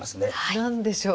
何でしょう。